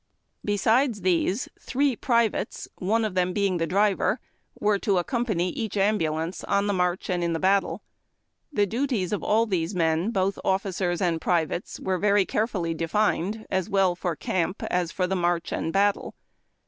Besides these, three privates, one of them being the driver, were to accompany each ambulance on the march and in battle. The duties of all these men, both officers and privates, were very carefully defined, as well for camp as for the march and battle.